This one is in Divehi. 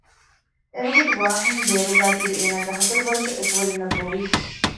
އެވަގުތު ވާޙިން ބޭރުގައި ތިބި އޭނަގެ ހަތަރު ވަރަކަށް އެކުވެރިންނަށް ގޮވި